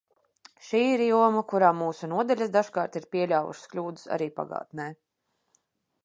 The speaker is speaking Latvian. Šī ir joma, kurā mūsu nodaļas dažkārt ir pieļāvušas kļūdas arī pagātnē.